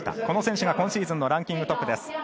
この選手が今シーズンのランキングトップです。